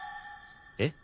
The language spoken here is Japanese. えっ？